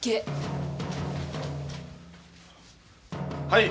はい。